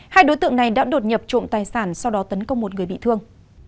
hai đối tượng này đã đột nhập trộm tài sản sau đó tấn công một người bị thương